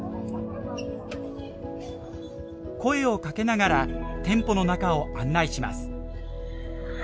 声をかけながら店舗の中を案内します。